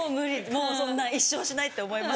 もうそんな一生しないって思います。